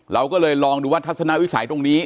เราก็เลยลองดูว่าทัศนวิสัยตรงนี้